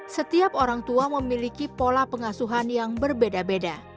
setiap orang tua memiliki pola pengasuhan yang berbeda beda